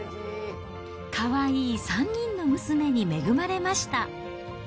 かわいい３人の娘に恵まれました。